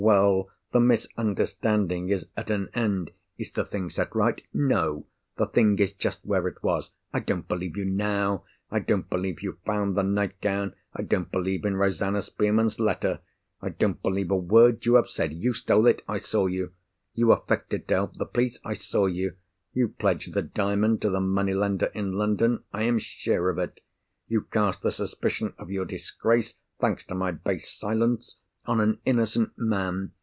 Well! the misunderstanding is at an end. Is the thing set right? No! the thing is just where it was. I don't believe you now! I don't believe you found the nightgown, I don't believe in Rosanna Spearman's letter, I don't believe a word you have said. You stole it—I saw you! You affected to help the police—I saw you! You pledged the Diamond to the money lender in London—I am sure of it! You cast the suspicion of your disgrace (thanks to my base silence!) on an innocent man!